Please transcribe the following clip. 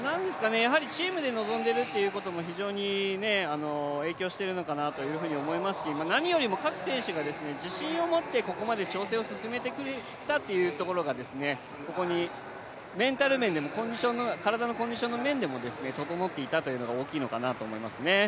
チームで臨んでいることも関係しているのかなと思いますし、何よりも各選手が自信を持ってここまで調整を進めてきたというところがメンタル面でも体のコンディションの面でも整っていたというのが大きいと思いますね。